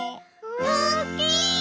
おっきい！